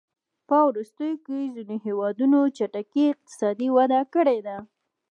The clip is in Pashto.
په وروستیو کې ځینو هېوادونو چټکې اقتصادي وده کړې ده.